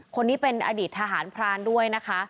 คนนี้เป็นอดีตทหารพรานด้วยนะคะ